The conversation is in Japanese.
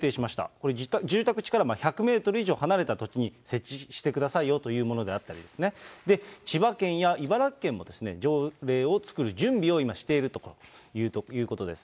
これ、住宅地から１００メートル以上離れた土地に設置してくださいよというものであったりですね、千葉県や茨城県もですね、条例を作る準備を今、しているということです。